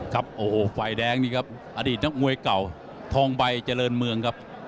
ครับโอ้โหฝ่ายแดงนี่ครับอดีตนักมวยเก่าทองใบเจริญเมืองครับ